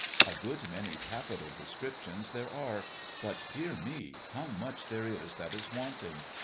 A good many capital descriptions there are but, dear me! how much there is that is wanting.